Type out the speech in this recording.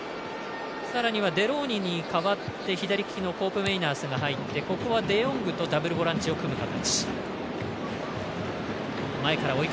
さらにはデローネに代わって左利きのコープメイナースが入ってここはデヨングとダブルボランチを組む形。